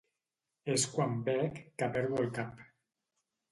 És quan bec que perdo el cap.